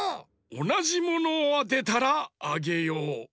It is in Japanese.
おなじものをあてたらあげよう。